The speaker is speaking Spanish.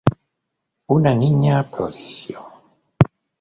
Una niña prodigio.